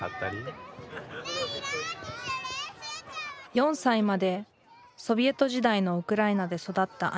４歳までソビエト時代のウクライナで育った兄。